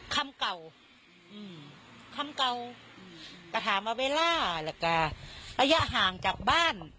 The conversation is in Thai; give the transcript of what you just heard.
คำเก่าอืมคำเก่าก็ถามว่าเบลล่าแล้วก็ระยะห่างจากบ้าน